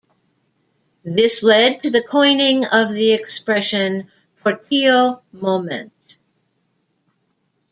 This led to the coining of the expression "Portillo moment".